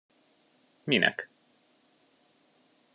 Minek?